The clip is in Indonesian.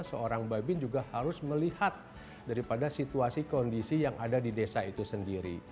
seorang babin juga harus melihat daripada situasi kondisi yang ada di desa itu sendiri